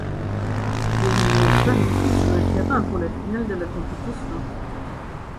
Il n'est pas non plus sur le terrain pour la finale de la compétition.